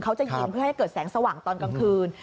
เขาจะยิงเพื่อให้เกิดแสงสว่างตอนกลางคืน